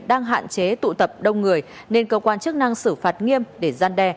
đang hạn chế tụ tập đông người nên cơ quan chức năng xử phạt nghiêm để gian đe